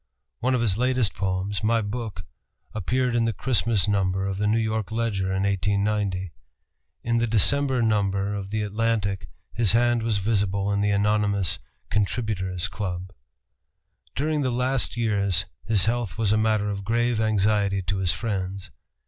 One of his latest poems, "My Book," appeared in the Christmas number of the New York Ledger in 1890. In the December number of the Atlantic his hand was visible in the anonymous "Contributor's Club." During the last years his health was a matter of grave anxiety to his friends.